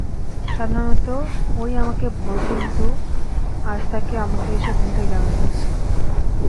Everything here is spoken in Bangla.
সাধারণত ওই আমাকে ভোর কিন্তু আজ তাকে আমাকে এসে ঘুম থেকে জাগাতে হচ্ছে।